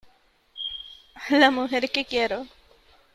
a la mujer que quiero .